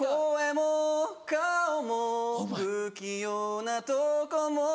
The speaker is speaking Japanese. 不器用なとこも